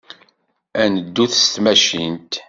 Ad neddut s tmacint.